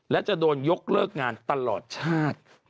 และจะโดนยกเลิกงานตลอดชาติ